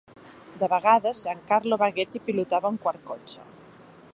De vegades, Giancarlo Baghetti pilotava un quart cotxe.